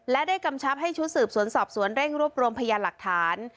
และได้กำชับให้ชุดสืบสวนสอบสวนเร่งรวบรวมพยานหลักฐาน